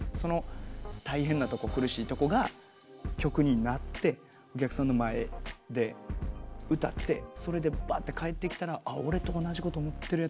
大変なとこ苦しいとこが曲になってお客さんの前で歌ってそれで返ってきたら俺と同じこと思ってるやつおったんやとか